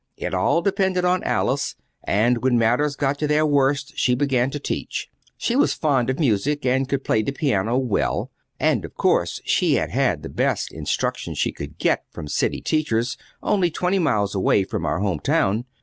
It all depended on Alice; and when matters got to their worst she began to teach. She was fond of music, and could play the piano well; and of course she had had the best instruction she could get from city teachers only twenty miles away from our home town.